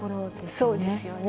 そうですよね。